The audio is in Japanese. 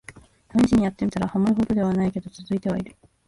ためしにやってみたら、ハマるほどではないけど続いてはいる